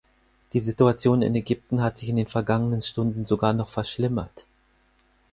Die Situation in Ägypten hat sich in den vergangenen Stunden sogar noch verschlimmert.